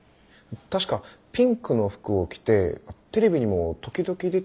確かピンクの服を着てテレビにも時々出てる人たちですよね。